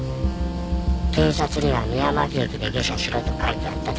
「警察には三山木駅で下車しろと書いてあったと言え」